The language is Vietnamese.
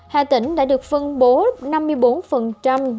hà tĩnh đã được phân bổ năm mươi bốn triệu vaccine trong kho